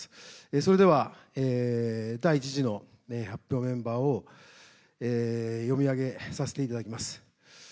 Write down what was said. それでは第１次の発表メンバーを読み上げさせていただきます。